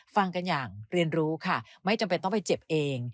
ฟังกันอย่างเรียนรู้ค่ะไม่จำเป็นต้องไปเจ็บเอง